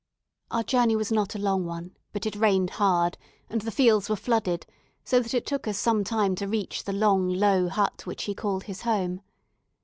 Our journey was not a long one, but it rained hard, and the fields were flooded, so that it took us some time to reach the long, low hut which he called his home.